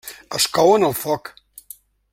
Es couen al foc.